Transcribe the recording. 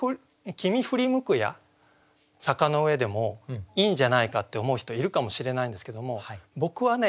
振り向くや坂の上」でもいいんじゃないかって思う人いるかもしれないんですけども僕はね